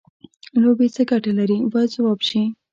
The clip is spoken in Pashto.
لوبې څه ګټه لري باید ځواب شي.